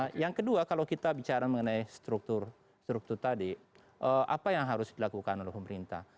nah yang kedua kalau kita bicara mengenai struktur struktur tadi apa yang harus dilakukan oleh pemerintah